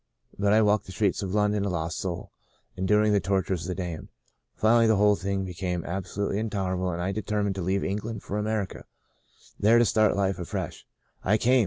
But I walked the streets of London a lost soul — enduring the tortures of the damned. Finally, the whole thing be came absolutely intolerable and I determined to leave England for America, there to start life afresh. I came.